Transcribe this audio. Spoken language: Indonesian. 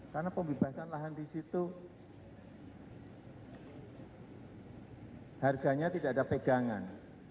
karena pembebasan lahan di situ harganya tidak ada pegangan